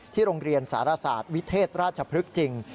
โรงเรียนสารศาสตร์วิเทศราชพฤกษ์จริง